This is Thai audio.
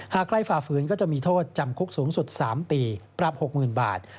ใกล้ฝ่าฝืนก็จะมีโทษจำคุกสูงสุด๓ปีปรับ๖๐๐๐บาท